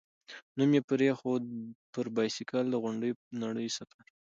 نوم یې پرېښود، «پر بایسکل د غونډې نړۍ سفر».